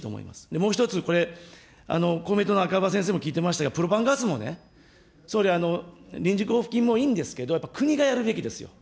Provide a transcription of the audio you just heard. もう一つ、これ、公明党の赤羽先生も聞いていましたが、プロパンガスもね、総理、臨時交付金もいいんですけど、国がやるべきですよ。